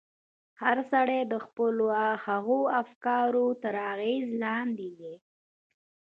هر سړی د خپلو هغو افکارو تر اغېز لاندې دی.